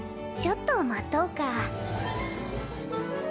ちょっと待とうか。